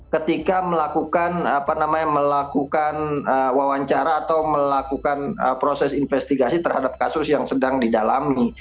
ketika melakukan apa namanya melakukan wawancara atau melakukan proses investigasi terhadap kasus yang sedang didalami